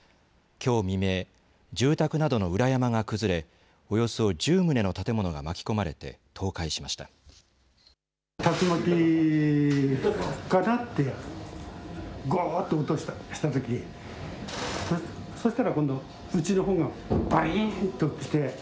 きょう未明、住宅などの裏山が崩れ、およそ１０棟の建物が巻き込まれて倒壊しました。